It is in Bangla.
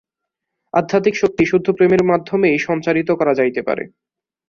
আধ্যাত্মিক শক্তি শুদ্ধ প্রেমের মাধ্যমেই সঞ্চারিত করা যাইতে পারে।